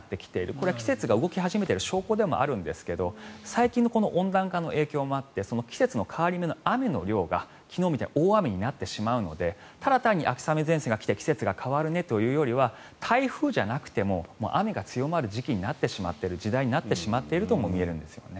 これは季節が動き始めている証拠なんですが最近の温暖化の影響もあって季節の変わり目の雨の量が、昨日みたいに大雨になってしまうのでただ単に秋雨前線が来て季節が変わるねというよりは台風じゃなくても雨が強まる時期になってしまっている時代になってしまっているとも言えるんですよね。